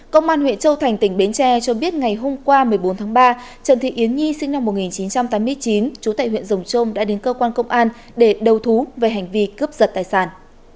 công an huyện châu thành tỉnh bến tre cho biết ngày hôm qua một mươi bốn tháng ba trần thị yến nhi sinh năm một nghìn chín trăm tám mươi chín trú tại huyện rồng trôm đã đến cơ quan công an để đầu thú về hành vi cướp giật tài sản